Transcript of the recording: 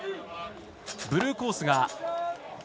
ブルーコース